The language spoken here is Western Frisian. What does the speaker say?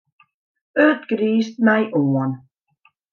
It griist my oan.